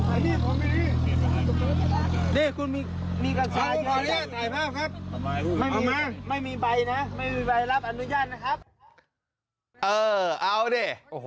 เออเอาดิ